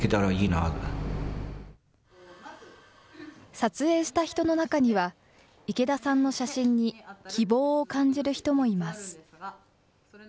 撮影した人の中には、池田さんの写真に希望を感じる人もいます。